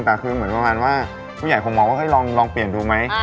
แต่คือเหมือนประมาณว่าผู้ใหญ่คงมองว่าลองเปลี่ยนดูไหม